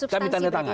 kami tanda tangan